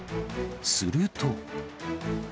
すると。